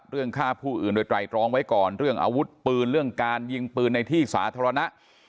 ฆ่าผู้อื่นโดยไตรตรองไว้ก่อนเรื่องอาวุธปืนเรื่องการยิงปืนในที่สาธารณะ